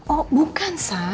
oh bukan sa